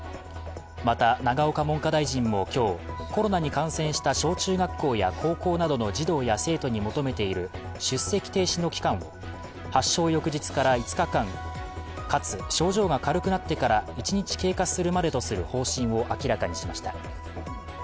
また永岡文科大臣も今日コロナに感染した小中学校や高校などの児童や生徒に求めている出席停止の期間を発症翌日から５日間、かつ症状が軽くなってから１日経過するまでとする方針を明らかにしました。